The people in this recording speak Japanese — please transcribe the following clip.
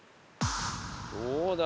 どうだ？